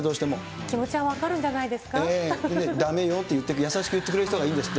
気持ちは分かるんじゃないでだめよって優しく言ってくれる人がいいんですって。